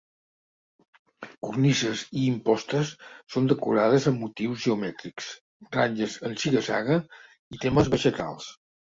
Cornises i impostes són decorades amb motius geomètrics, ratlles en ziga-zaga i temes vegetals.